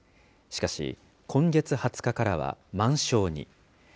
しかし、今月２０日からは満床に。